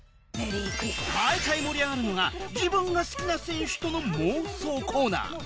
毎回盛り上がるのが自分が好きな選手との妄想コーナー